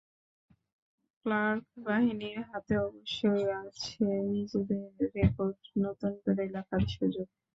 Clerk বাহিনীর হাতে অবশ্যই আছে নিজেদের রেকর্ড নতুন করে লেখার সুযোগ।